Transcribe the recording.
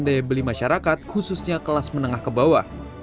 daya beli masyarakat khususnya kelas menengah ke bawah